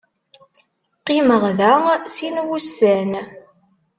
Qqimeɣ da sin wussan.